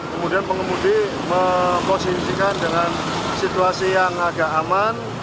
kemudian pengemudi memposisikan dengan situasi yang agak aman